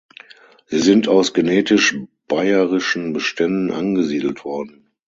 Sie sind aus genetisch bayerischen Beständen angesiedelt worden.